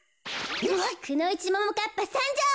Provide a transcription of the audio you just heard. くのいちももかっぱさんじょう！